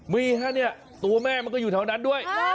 มีฮะเนี่ยตัวแม่มันก็อยู่แถวนั้นด้วย